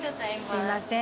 すいません。